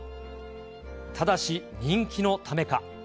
ただし、人気のためか。